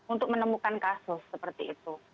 untuk menemukan kasus seperti itu